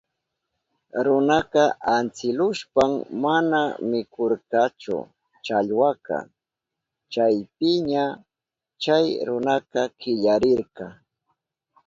Runaka antsilushpan mana mikurkachu challwaka. Chaypiña chay runaka killarirka.